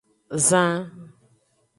Zan.